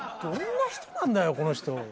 どんな人なんだよこの人。